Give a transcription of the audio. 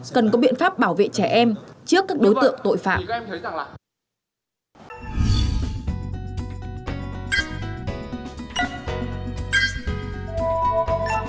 cần có biện pháp bảo vệ trẻ em trước các đối tượng tội phạm